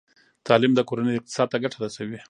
تعلیم د کورنۍ اقتصاد ته ګټه رسوي۔